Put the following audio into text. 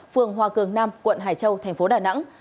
phường hòa cường nam quận hải châu thành phố đà nẵng